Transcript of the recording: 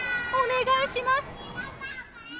お願いします。